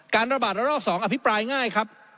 ระบาดระลอก๒อภิปรายง่ายครับ